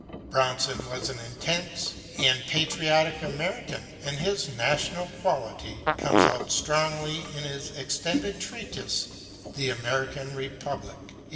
Brownson was an intense and patriotic American, and his national quality comes out strongly in his extended treatise 'The American Republic' (1865).